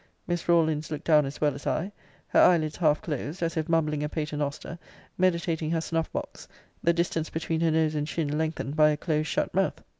Miss Rawlins looked down as well as I; her eyelids half closed, as if mumbling a pater noster, meditating her snuff box, the distance between her nose and chin lengthened by a close shut mouth.